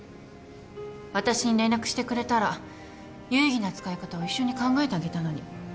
私に連絡してくれたら有意義な使い方を一緒に考えてあげたのに。